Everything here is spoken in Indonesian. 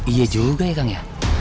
iya juga ya kang ya